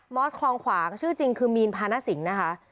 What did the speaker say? อสคลองขวางชื่อจริงคือมีนพาณสิงห์นะคะ